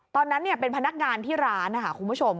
ตอนนั้นเป็นพนักงานที่ร้านนะคะคุณผู้ชม